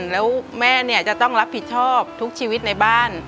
แล้วแม่จะต้องรับผิดชอบทุกชีวิตในบ้าน